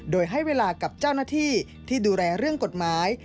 โดยให้เวลากับเจ้าหน้าที่ที่ดูแลเรื่องกฎหมาย